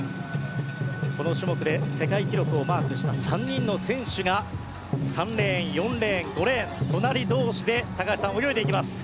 この種目で世界記録をマークした３人の選手が３レーン、４レーン、５レーン隣同士で泳いでいきます。